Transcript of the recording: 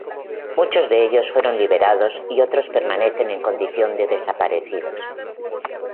Muchos de ellos fueron liberados y otros permanecen en condición de desaparecidos.